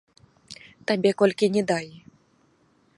Табе колькі ні дай!